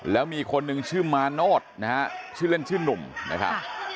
แล้วมีคนหนึ่งชื่อมาโนธนะฮะชื่อเล่นชื่อหนุ่มนะครับ